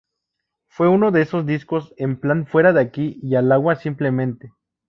Fue uno de esos discos en plan 'fuera de aquí y al agua', simplemente".